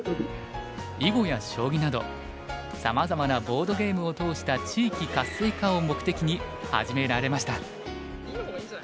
囲碁や将棋などさまざまなボードゲームを通した地域活性化を目的に始められました。